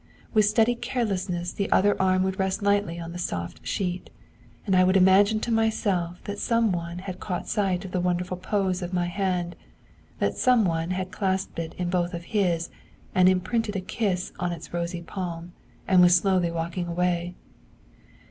With studied carelessness the other arm would rest lightly on the soft sheet, and I would imagine to myself that some one had caught sight of the wonderful pose of my hand, that some one had clasped it in both of his and imprinted a kiss on its rosy palm, and was slowly walking away.